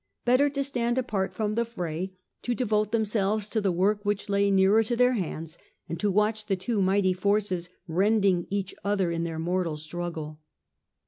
Better to stand apart from the fray, to devote them selves to the work which lay nearer to their hands, and to watch the two mighty forces rending each other in their mortal struggle.